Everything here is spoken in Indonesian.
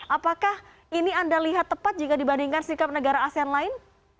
apakah ini anda lihat tepat jika dibandingkan sikap negara asean lain